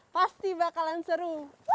pasti bakalan seru